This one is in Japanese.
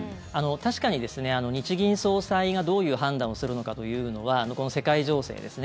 確かにですね、日銀総裁がどういう判断をするのかというのはこの世界情勢ですね